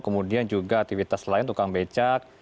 kemudian juga aktivitas lain tukang becak